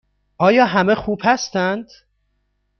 آیا همه خوب هستند؟